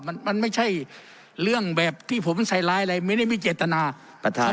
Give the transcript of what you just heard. มันมันไม่ใช่เรื่องแบบที่ผมใส่ร้ายอะไรไม่ได้มีเจตนาประธาน